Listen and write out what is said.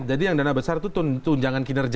jadi yang dana besar itu tunjangan kinerja